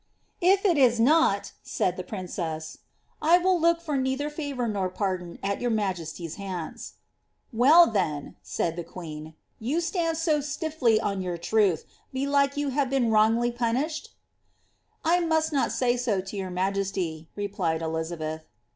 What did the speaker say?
^ If it is not," said the princess, ^ 1 will look for neither favour nor pardon at your majesty ^s hands." ^^ Well, then," said the queen, ^ you stand so stiffly on your truth, belike you have been wrongfully punisheti ?"^ I must not say so to your majesty," replied Elizabeth.